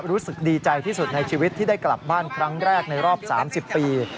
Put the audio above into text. รู้สึกดีใจที่สุดในชีวิตที่ได้กลับบ้านครั้งแรกในรอบ๓๐ปี